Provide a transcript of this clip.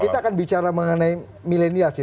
kita akan bicara mengenai milenials ya